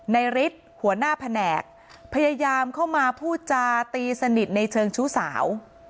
ฤทธิ์หัวหน้าแผนกพยายามเข้ามาพูดจาตีสนิทในเชิงชู้สาว